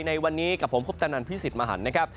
ในวันนี้กับผมพบตนอันพิสิษฐ์มาหันนะครับ